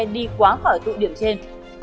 đi quá khỏi tụ điểm trên